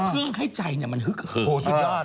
เพื่องให้ใจเนี่ยมันฮึกโอ้โหสุดยอด